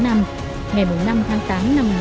ngày năm tháng tám năm một nghìn tám trăm chín mươi năm